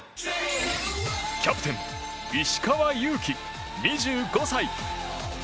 キャプテン石川祐希、２５歳。